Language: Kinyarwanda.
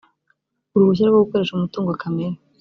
uruhushya rwo gukoresha umutungo kamere